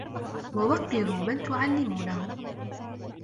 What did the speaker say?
وَوَقِّرُوا مَنْ تُعَلِّمُونَهُ